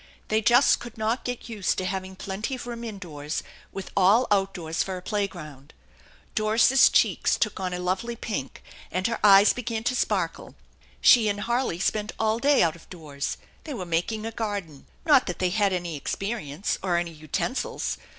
They just could not get used to having plenty of room indoors, with all outdoors for a playground. Doris's cheeks took on a lovely pink, and her eyes began to sparkle. She and Harley spent all day out of doors. They were making a garden. Not that they had any experience or any utensils.